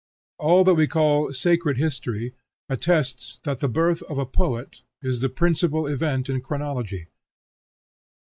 All that we call sacred history attests that the birth of a poet is the principal event in chronology.